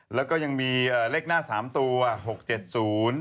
แล้วก็ยังมีเลขหน้าสามตัวหกเจ็ดศูนย์